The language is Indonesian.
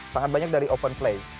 sangat banyak dari open play